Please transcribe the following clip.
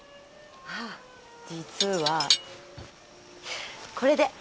あ実はこれで！